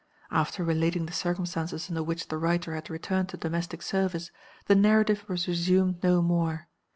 After relating the circumstances under which the writer had returned to domestic service, the narrative was resumed no more.